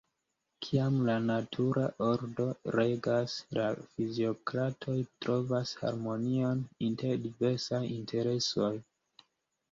Kiam la natura ordo regas, la fiziokratoj trovas harmonion inter diversaj interesoj.